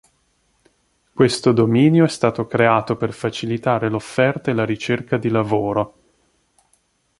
Questo dominio è stato creato per facilitare l'offerta e la ricerca di lavoro.